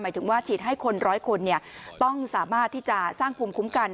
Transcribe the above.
หมายถึงว่าฉีดให้คน๑๐๐คนเนี่ยต้องสามารถที่จะสร้างภูมิคุ้มกัน